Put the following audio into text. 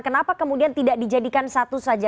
kenapa kemudian tidak dijadikan satu saja